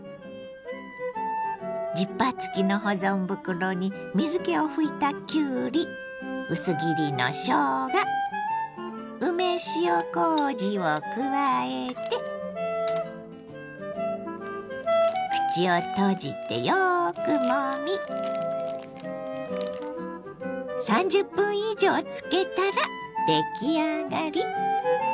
ジッパー付きの保存袋に水けを拭いたきゅうり薄切りのしょうが梅塩こうじを加えて口を閉じてよくもみ３０分以上漬けたら出来上がり。